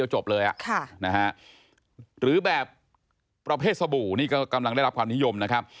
จบเลยหรือแบบประเภทสบู่นี่ก็กำลังได้รับความนิยมนะครับ